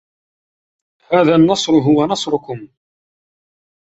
هذا النصر هو نصركم.